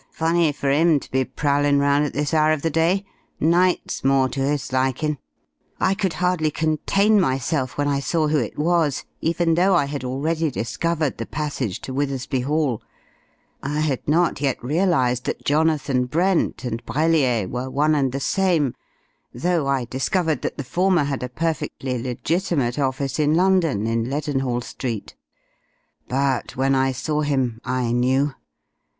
Funny for 'im to be prowlin' round at this hour of the day night's more to 'is likin'.' I could hardly contain myself when I saw who it was even though I had already discovered the passage to Withersby Hall. I had not yet realized that 'Jonathan Brent' and Brellier were one and the same, though I discovered that the former had a perfectly legitimate office in London in Leadenhall Street. But when I saw him I knew.